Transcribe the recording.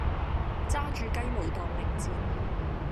揸住雞毛當令箭